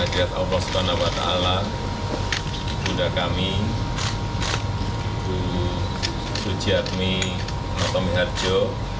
berpulang berkata allah swt bunda kami ibu sujiatminoto miharjo